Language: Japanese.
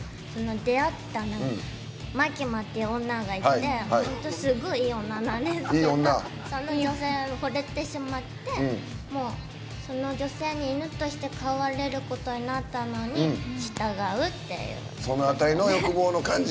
出会ったマキマっていう女がいて本当、すごいいい女なんですけどその女性に、ほれてしまってその方に犬として飼われることになったのに従うっていう。